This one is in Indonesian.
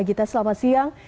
gita selamat siang